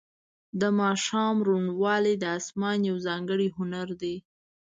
د ماښام روڼوالی د اسمان یو ځانګړی هنر دی.